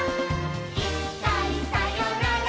「いっかいさよなら